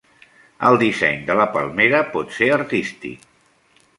El disseny de la palmera pot ser artístic.